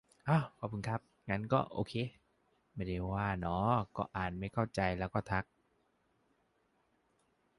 อ้อ ขอบคุณครับ งั้นก็โอเค ไม่ได้ว่าหนอ ก็อ่านไม่เข้าใจแล้วก็ทัก